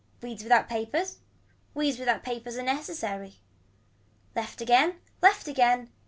Weeds without papers. Weeds without papers are necessary. Left again left again.